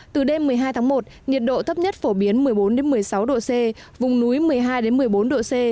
từ đêm một mươi hai tháng một nhiệt độ thấp nhất phổ biến một mươi bốn một mươi sáu độ c vùng núi một mươi hai một mươi bốn độ c